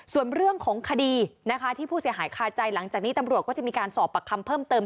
ส่วนเรื่องของคดีนะคะที่ผู้เสียหายคาใจหลังจากนี้ตำรวจก็จะมีการสอบปากคำเพิ่มเติม